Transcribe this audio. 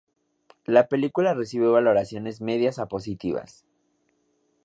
La película recibió valoraciones medias a positivas.